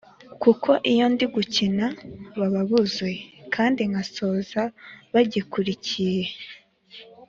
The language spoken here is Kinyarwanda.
kuko iyo ndi gukina baba buzuye kandi nkasoza bagikurikiye